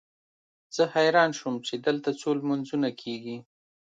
زه حیران شوم چې دلته څو لمونځونه کېږي.